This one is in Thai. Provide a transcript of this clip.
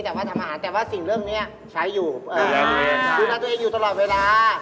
แต่ว่าสิ่งเรื่องนี้ใช้อยู่คุณกับตัวเองอยู่ตลอดเวลา